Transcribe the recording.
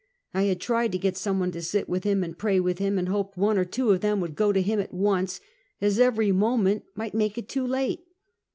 I had tried to get some one to sit with him and pray with him, and hoped one or two of them would go to him at once, as every moment might make it too late.